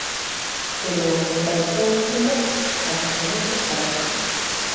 Pero encaixou un gol a dez minutos para o final.